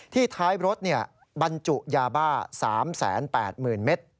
ท้ายรถบรรจุยาบ้า๓๘๐๐๐เมตร